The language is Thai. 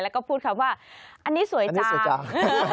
แล้วก็พูดคำว่าอันนี้สวยจัง